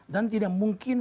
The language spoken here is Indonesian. dan tidak mungkin